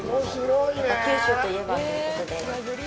やっぱ、九州といえばということで。